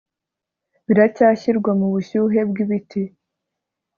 biracyashyirwa mubushyuhe bwibiti